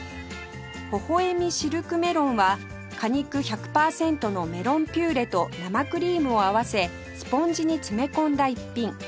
ほほえみシルクメロンは果肉１００パーセントのメロンピューレと生クリームを合わせスポンジに詰め込んだ一品